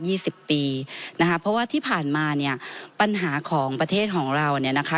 สิบปีนะคะเพราะว่าที่ผ่านมาเนี้ยปัญหาของประเทศของเราเนี่ยนะคะ